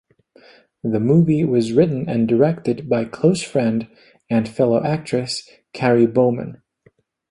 The movie was written and directed by close friend and fellow actress Karri Bowman.